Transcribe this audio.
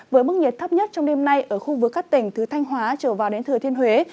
với mức nhiệt thấp nhất trong đêm nay ở khu vực các tỉnh từ thanh hóa trở vào đến thừa thiên huế